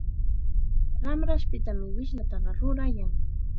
Ramrashpitam wishllataqa rurayan.